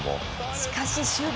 しかし、終盤。